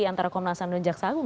antara komnasan dan jaksa agung